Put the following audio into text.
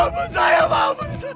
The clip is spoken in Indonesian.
ampun saya buah ampun protur